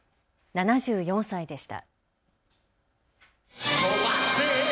７４歳でした。